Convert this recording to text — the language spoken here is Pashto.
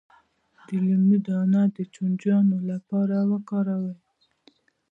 د لیمو دانه د چینجیانو لپاره وکاروئ